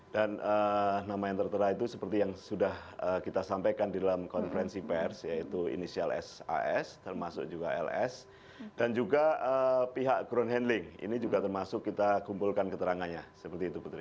dan nama yang tertera itu seperti yang sudah kita sampaikan di dalam konferensi pers yaitu inisial sas termasuk juga ls dan juga pihak ground handling ini juga termasuk kita kumpulkan keterangannya seperti itu putri